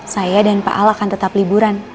saya dan pak ala akan tetap liburan